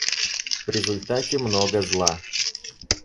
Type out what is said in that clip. В результате много зла.